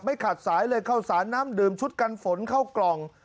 ขาดสายเลยเข้าสารน้ำดื่มชุดกันฝนเข้ากล่อง